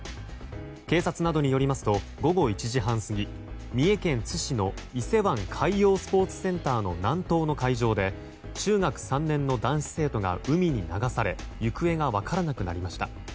警察などによりますと午後１時半過ぎ三重県津市の伊勢湾海洋スポーツセンターの南東の海上で中学３年の男子生徒が海に流され行方が分からなくなりました。